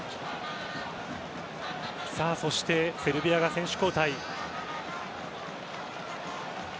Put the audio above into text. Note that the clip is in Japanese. そしてセルビアが選手交代。